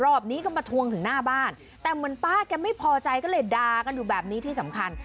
รอบนี้ก็มาทวงถึงหน้าบ้านแต่เหมือนป้าแกไม่พอใจก็เลยดากันอยู่แบบนี้ที่สำคัญ